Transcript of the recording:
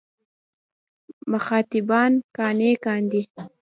مخاطبان قانع کاندي.